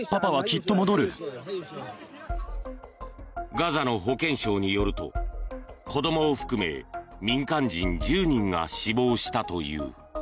ガザの保健省によると子どもを含め民間人１０人が死亡したという。